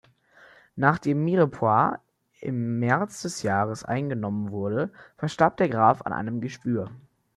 Nachdem Mirepoix im März des Jahres eingenommen wurde, verstarb der Graf an einem Geschwür.